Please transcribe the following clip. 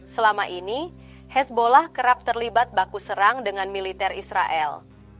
selama ini hasbollah kerap terlibat baku serang dengan militer israel